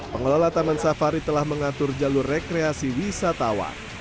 pengelola taman safari telah mengatur jalur rekreasi wisatawan